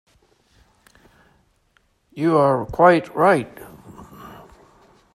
You are quite right.